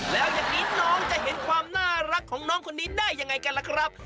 แล้วอย่างนี้น้องจะเห็นความน่ารักของน้องคนนี้ได้ยังไงกันล่ะครับ